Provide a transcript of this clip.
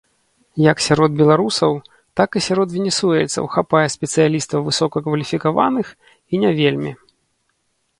Як сярод беларусаў, так і сярод венесуэльцаў хапае спецыялістаў высокакваліфікаваных і не вельмі.